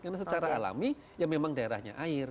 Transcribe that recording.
karena secara alami ya memang daerahnya air